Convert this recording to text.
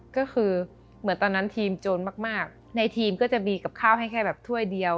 ก็คือเหมือนตอนนั้นทีมโจรมากในทีมก็จะมีกับข้าวให้แค่แบบถ้วยเดียว